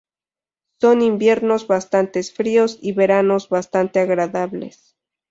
Son inviernos bastantes fríos; y veranos bastante agradables.